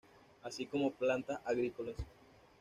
Así como plantas agrícolas.